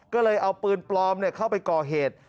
ก็เลยเอาปืนปลอมเข้าไปก่อเหตุ